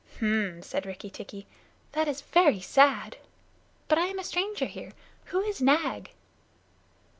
"H'm!" said Rikki tikki, "that is very sad but I am a stranger here. Who is Nag?"